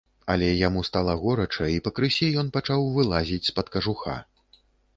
Але яму стала горача, і пакрысе ён пачаў вылазіць з-пад кажуха.